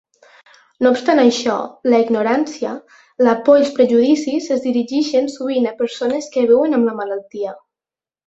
No obstant això, la ignorància, la por i els prejudicis es dirigeixen sovint a persones que viuen amb la malaltia.